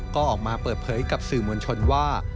ก็ออกมาเปิดเผยกับสื่อมวลชนว่า